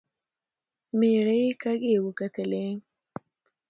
مېړه يې کږې وکتلې.